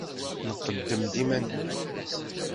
Nqeddem-d iman-nneɣ.